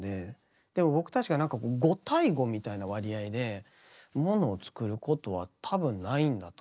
でも僕たちがなんか５対５みたいな割合でものを作ることは多分ないんだと思うんですよ。